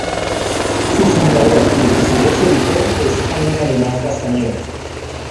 Su fundador y el que seria su editor es Jaime Alemán Castañeda.